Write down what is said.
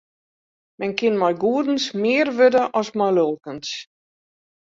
Men kin mei goedens mear wurde as mei lulkens.